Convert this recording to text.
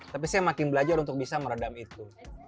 tapi saya makin belajar untuk bisa meredam itu